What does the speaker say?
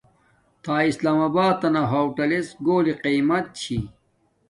تھا اسلام آباتنا ہوٹالڎ گھولی قیمت چھی